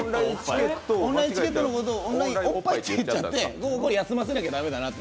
オンラインチケットのことをオンラインおっぱいって言っちゃって休ませなきゃだめだなと。